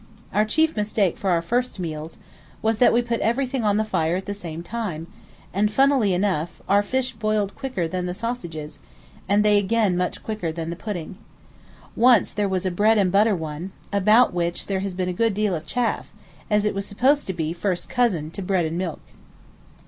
Our chief mistake for our first meals was that we put everything on the fire at the same time, and, funnily enough, our fish boiled quicker than the sausages, and they again much quicker than the pudding. Once there was a bread and butter one, about which there has been a good deal of chaff, as it was supposed to be first cousin to bread and milk!